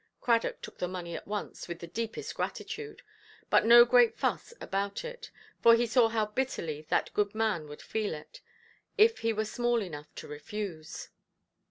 Cradock took the money at once, with the deepest gratitude, but no great fuss about it; for he saw how bitterly that good man would feel it, if he were small enough to refuse.